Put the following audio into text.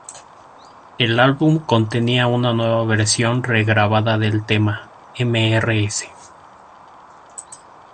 El álbum contenía una nueva versión regrabada del tema "Mrs.